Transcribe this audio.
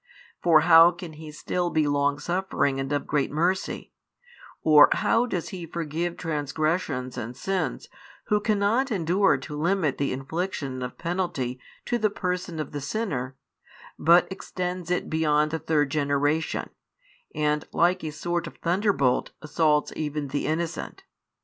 For how can He still be longsuffering and of great mercy, or how does He forgive transgressions and sins, Who cannot endure to limit the infliction of penalty to the person |7 of the sinner, but extends it beyond the third generation, and like a sort of thunderbolt assaults even the innocent?